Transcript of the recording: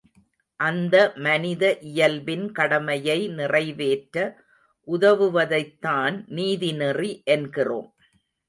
அந்த மனித இயல்பின் கடமையை நிறைவேற்ற உதவுவதைத்தான் நீதிநெறி என்கிறோம்.